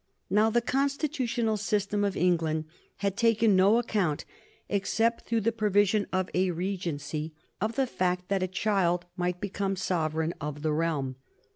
Now the constitutional system of England had taken no account, except through the provision of a regency, of the fact that a child might become sovereign of the realm.